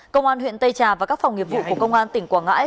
công an huyện tây trà và các phòng nghiệp vụ của công an tỉnh quảng ngãi